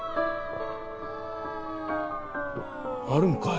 あるんかい！